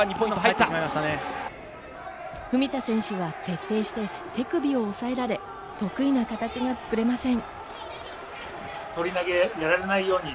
文田選手は徹底して手首を押さえられ、得意な形がつくれません。